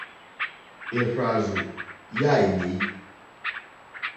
Èhvàrzù ya inèi.